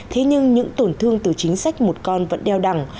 thế nhưng những tổn thương từ chính sách một con vẫn đeo đẳng